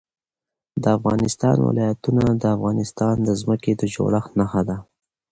د افغانستان ولايتونه د افغانستان د ځمکې د جوړښت نښه ده.